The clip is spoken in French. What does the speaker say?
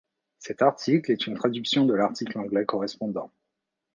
Cet article est une traduction de l'article anglais correspondant.